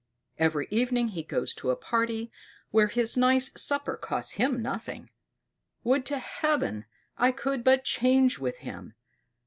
Every evening he goes to a party, where his nice supper costs him nothing: would to Heaven I could but change with him!